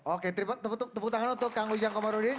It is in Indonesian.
oke tepuk tangan untuk kang ujang komarudin